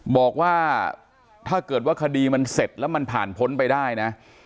บอกว่าถ้าเกิดว่าคดีมันเสร็จแล้วมันผ่านพ้นไปได้นะ